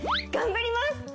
頑張ります。